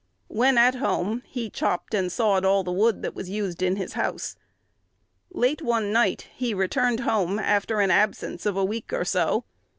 When at home, he chopped and sawed all the wood that was used in his house. Late one night he returned home, after an absence of a week or so.